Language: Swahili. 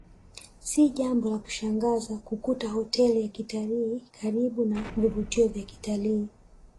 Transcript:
Si jambo la kushangaza kukuta hoteli za kitalii karibu na vivutio vya kitalii